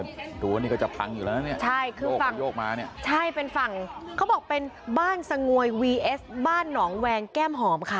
รั้วนี่ก็จะพังอยู่แล้วนะเนี่ยใช่คือฝั่งโยกมาเนี่ยใช่เป็นฝั่งเขาบอกเป็นบ้านสงวยวีเอสบ้านหนองแวงแก้มหอมค่ะ